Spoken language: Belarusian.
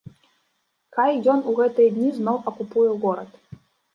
Хай ён у гэтыя дні зноў акупуе горад.